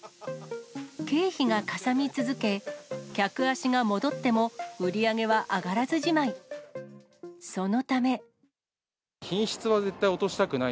経費がかさみ続け、客足が戻っても売り上げは上がらずじまい。